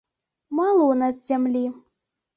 Мала ў нас зямлі.